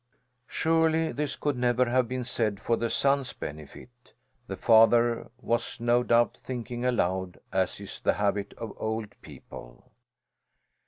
Surely this could never have been said for the son's benefit. The father was no doubt thinking aloud, as is the habit of old people.